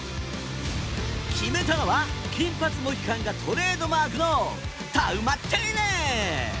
決めたのは金髪モヒカンがトレードマークのタウマテイネ。